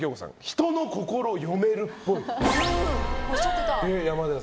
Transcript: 人の心読めるっぽい。